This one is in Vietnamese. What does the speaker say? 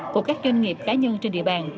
của các doanh nghiệp cá nhân trên địa bàn